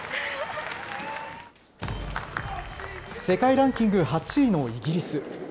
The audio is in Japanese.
世界ランキング８位のイギリス。